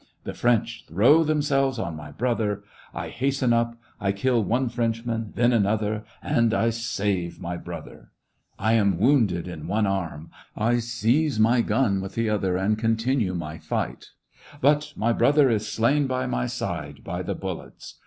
The French throw themselves on my brother. I hasten up ; I kill one Frenchman, then another, and I save my brother. I am wounded in one arm ; I seize my gun with the other, and continue my flight ; but my brother is slain by my side by the bullets.